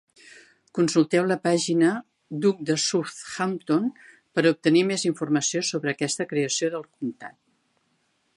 Consulteu la pàgina "Duc de Southampton" per obtenir més informació sobre aquesta creació del comtat.